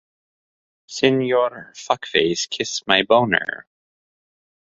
Signor's feature film credits include "Rudy Blue" and "The Doghouse".